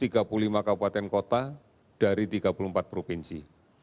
tiga puluh lima kabupaten kota dari tiga puluh empat provinsi